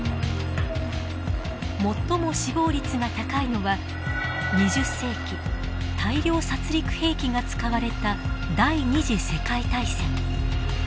最も死亡率が高いのは２０世紀大量殺戮兵器が使われた第二次世界大戦。